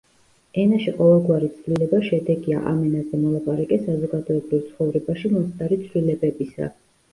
ენაში ყოველგვარი ცვლილება შედეგია ამ ენაზე მოლაპარაკე საზოგადოებრივ ცხოვრებაში მომხდარი ცვლილებებისა.